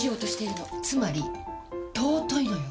つまり尊いのよ！